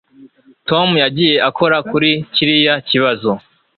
Tom yagiye akora kuri kiriya kibazo